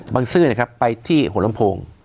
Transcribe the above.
บังซื้อเนี่ยครับไปที่หัวลำโพง